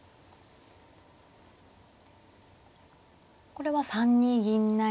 これは３二銀成。